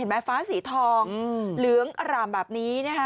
เห็นไหมฟ้าสีทองเหลืองอร่ามแบบนี้